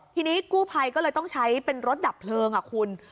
ทีนี้กู้ภัยก็เลยต้องใช้เป็นรถดับเพลิงคุณ